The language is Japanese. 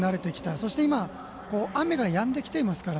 そして今雨がやんできていますから。